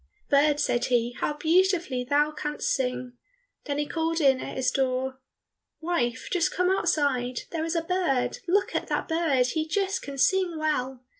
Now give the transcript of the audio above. "Bird," said he, "how beautifully thou canst sing!" Then he called in at his door, "Wife, just come outside, there is a bird, look at that bird, he just can sing well."